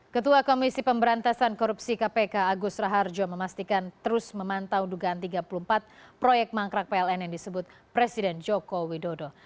ketua komisi pemberantasan korupsi kpk agus raharjo memastikan terus memantau dugaan tiga puluh empat proyek mangkrak pln yang disebut presiden joko widodo